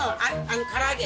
唐揚げ。